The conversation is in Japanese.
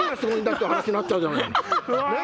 って話になっちゃうじゃない。